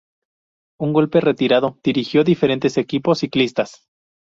Un golpe retirado dirigió diferentes equipos ciclistas.